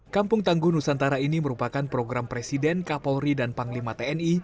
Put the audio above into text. kampung tangguh nusantara ini merupakan program presiden kapolri dan panglima tni